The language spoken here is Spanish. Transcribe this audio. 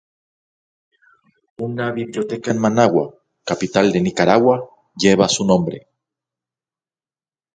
Una biblioteca en Managua, capital de Nicaragua, lleva su nombre.